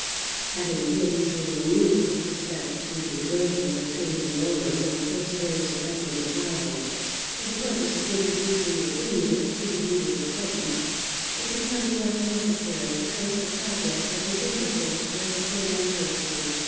Having been so minute with respect to the diversions of Tully Veolan on the first days of Edward's arrival, for the purpose of introducing its inmates to the reader's acquaintance, it becomes less necessary to trace the progress of his intercourse with the same accuracy.